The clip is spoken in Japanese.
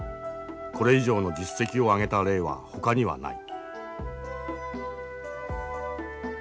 これ以上の実績を上げた例はほかにはない。